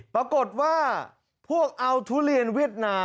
ปรากฏว่าพวกเอาทุเรียนเวียดนาม